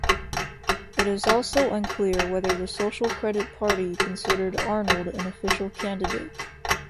It is also unclear whether the Social Credit Party considered Arnold an official candidate.